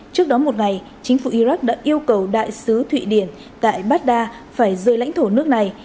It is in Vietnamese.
trước đó một ngày chính phủ iraq đã yêu cầu đại sứ thụy điển tại baghdad phải rời lãnh thổ nước này